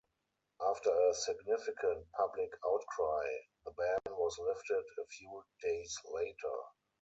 After a significant public outcry, the ban was lifted a few days later.